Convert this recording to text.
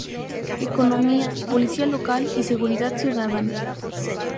Economía, policía local y seguridad ciudadana.